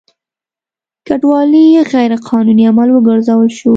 کډوالي غیر قانوني عمل وګرځول شو.